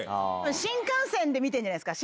新幹線で見てるんじゃないですか？